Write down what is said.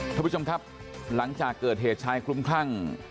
ท่านผู้ชมครับหลังจากเกิดเหตุชายคลุมคลั่ง